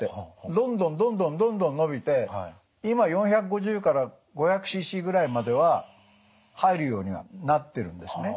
どんどんどんどんどんどん伸びて今４５０から５００ｃｃぐらいまでは入るようになってるんですね。